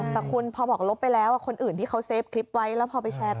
แต่คุณพอบอกลบไปแล้วคนอื่นที่เขาเฟฟคลิปไว้แล้วพอไปแชร์ต่อ